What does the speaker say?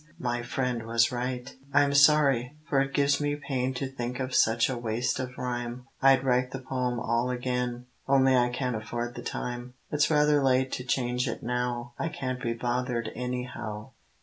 my friend was right. I'm sorry; for it gives me pain To think of such a waste of rhyme. I'd write the poem all again, Only I can't afford the time; It's rather late to change it now, I can't be bothered anyhow.